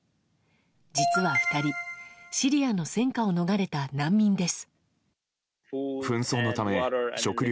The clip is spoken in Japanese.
実は２人、シリアの戦火を逃れた難民です。